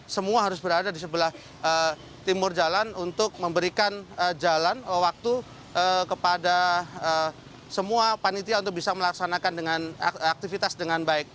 semua harus berada di sebelah timur jalan untuk memberikan jalan waktu kepada semua panitia untuk bisa melaksanakan aktivitas dengan baik